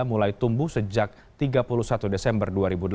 mulai tumbuh sejak tiga puluh satu desember dua ribu delapan belas